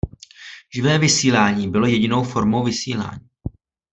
Živé vysílání bylo jedinou formou vysílání.